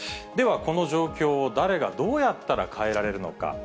では、この状況を誰がどうやったら変えられるのか。